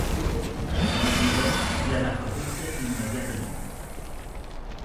El Sr. Biddle li agafa afecte immediatament.